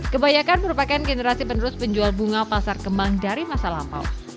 kebanyakan merupakan generasi penerus penjual bunga pasar kembang dari masa lampau